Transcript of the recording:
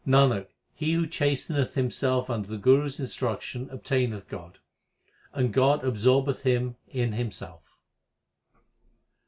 Nanak, he who chasteneth himself under the Guru s instruction obtaineth God, and God absorbeth him in Himself.